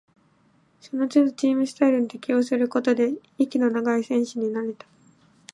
そのつどチームスタイルに適応することで、息の長い選手になれた